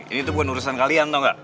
ini tuh bukan urusan kalian tau gak